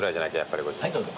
はいどうぞ。